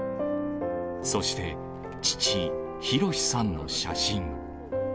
そして父、弘さんの写真。